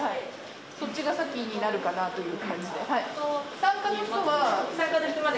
そっちが先になるかなという感じになるので。